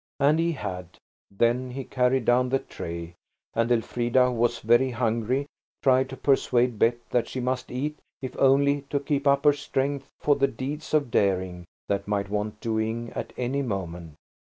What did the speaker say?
And he had. Then he carried down the tray, and Elfrida, who was very hungry, tried to persuade Bet that she must eat, if only to keep up her strength for the deeds of daring that might want doing at any moment.